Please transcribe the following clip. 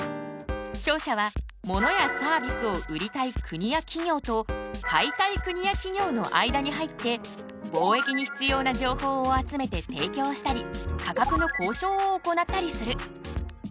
商社はモノやサービスを売りたい国や企業と買いたい国や企業の間に入って貿易に必要な情報を集めて提供したり価格の交渉を行ったりする。